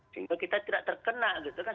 sehingga kita tidak terkena gitu kan